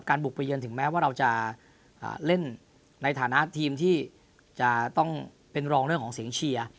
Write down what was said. บุกไปเยือนถึงแม้ว่าเราจะเล่นในฐานะทีมที่จะต้องเป็นรองเรื่องของเสียงเชียร์